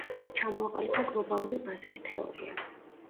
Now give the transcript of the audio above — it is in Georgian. ჩამოაყალიბა „გლობალური ბაზრის“ თეორია.